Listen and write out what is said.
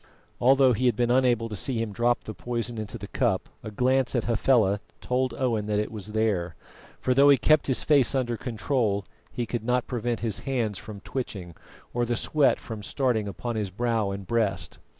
Although he had been unable to see him drop the poison into the cup, a glance at Hafela told Owen that it was there; for though he kept his face under control, he could not prevent his hands from twitching or the sweat from starting upon his brow and breast.